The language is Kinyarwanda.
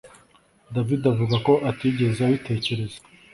David avuga ko atigeze abitekereza